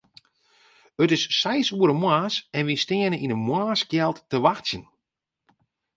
It is seis oere moarns en wy steane yn 'e moarnskjeld te wachtsjen.